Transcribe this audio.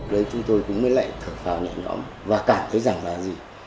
đấy chúng tôi cũng mới lại thở vào nhận nó và cảm thấy rằng là gì